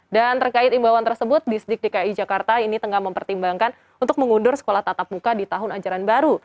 dan terkait imbauan tersebut distrik dki jakarta ini tengah mempertimbangkan untuk mengundur sekolah tatap muka di tahun ajaran baru